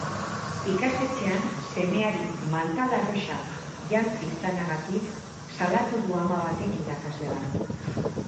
Ikastetxean semeari mantal arrosa jantzi izanagatik salatu du ama batek irakasle bat.